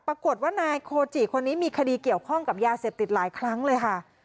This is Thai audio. ปรากฏว่านายโคจิคนนี้มีคดีเกี่ยวข้องกับยาเสพติดหลายครั้งเลยค่ะ